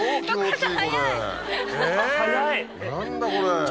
何だこれ。